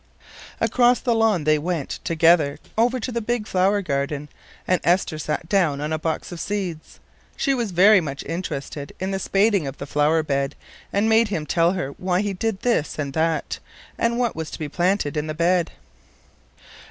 Across the lawn they went together, over to the big flower garden, and Esther sat down on a box of seeds. She was very much interested in the spading of the flower bed, and made him tell her why he did this and that, and what was to be planted in the bed.